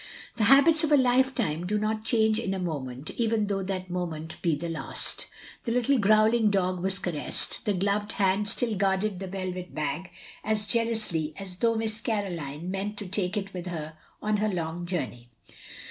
The habits of a life time do not change in a moment, even though that moment be the last. The little growling dog was caressed; the gloved hand still guarded the velvet bag as jealously as though Miss Caroline meant to take it with her on her long journey.